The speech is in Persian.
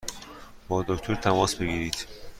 با دکتر تماس بگیرید!